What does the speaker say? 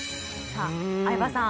相葉さん。